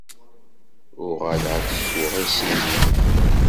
Uɣaleɣ-d seg uɣisiṉni.